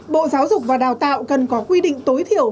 bộ giáo dục và đào tạo cần có quy định tối thiểu